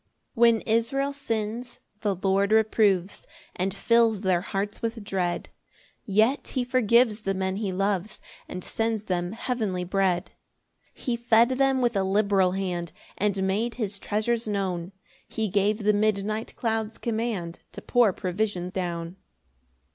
1 When Israel sins, the Lord reproves, And fills their hearts with dread; Yet he forgives the men he loves, And sends them heavenly bread. 2 He fed them with a liberal hand, And made his treasures known; He gave the midnight clouds command To pour provision down.